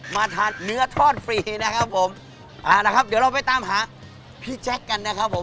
มาทานเนื้อทอดฟรีนะครับผมเอาละครับเดี๋ยวเราไปตามหาพี่แจ๊คกันนะครับผม